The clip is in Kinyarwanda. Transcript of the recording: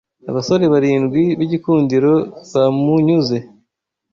Abasore barindwi b’igikundiro bamunyuze